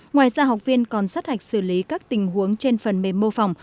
ngoài ra học viên còn sát hạch xử lý các tình huống trên phần mềm mô phỏng